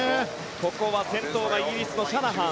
ここは先頭がイギリスのシャナハン。